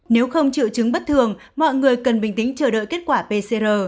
nếu không triệu chứng bất thường mọi người cần bình tĩnh chờ đợi kết quả pcr